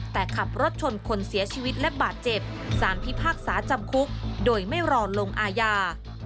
แต่ขับรถชนคนเสียชีวิตและบาดเจ็บสารพิพากษาจำคุกโดยไม่รอลงอาญา